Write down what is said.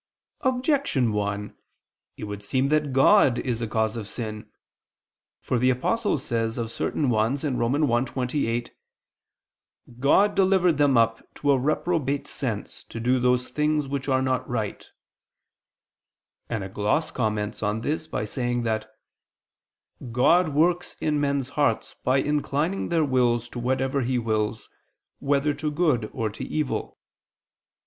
Objection 1: It would seem that God is a cause of sin. For the Apostle says of certain ones (Rom. 1:28): "God delivered them up to a reprobate sense, to do those things which are not right [Douay: 'convenient']," and a gloss comments on this by saying that "God works in men's hearts, by inclining their wills to whatever He wills, whether to good or to evil."